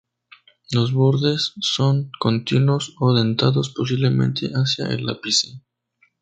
Los bordes son continuos o dentados posiblemente hacia el ápice.